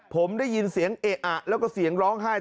ผมได้ยินเสียงเอะอะแล้วก็เสียงร้องไห้